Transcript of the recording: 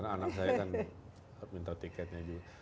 karena anak saya kan minta tiketnya juga